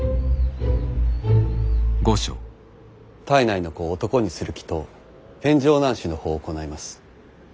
胎内の子を男にする祈とう変成男子の法を行います。